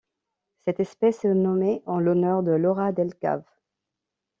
Cette espèce est nommée en l'honneur de Laura Delle Cave.